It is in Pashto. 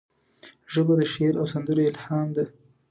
ژبه د شعر او سندرو الهام ده